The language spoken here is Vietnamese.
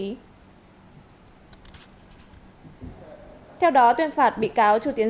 theo đó tòa án nhân dân tp hcm đã tuyên án đối với bị cáo chu tiến dũ